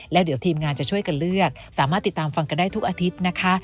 แล้วเดี๋ยวทีมงานจะช่วยกันเลือกสามารถติดตามฟังกันได้ทุกอาทิตย์นะคะ